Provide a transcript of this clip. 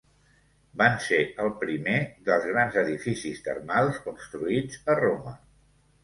Van ser el primer dels grans edificis termals construïts a Roma.